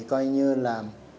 coi như là